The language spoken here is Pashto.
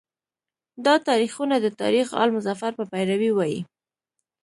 دا تاریخونه د تاریخ آل مظفر په پیروی وایي.